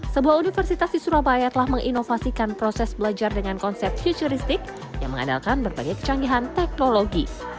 sebuah universitas di surabaya telah menginovasikan proses belajar dengan konsep futuristik yang mengandalkan berbagai kecanggihan teknologi